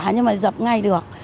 nhưng mà dập ngay được